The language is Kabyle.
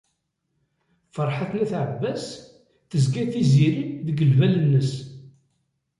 Ferḥat n At Ɛebbas, tezga Tiziri deg lbal-nnes.